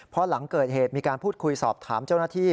พอหลังเกิดเหตุมีการพูดคุยสอบถามเจ้าหน้าที่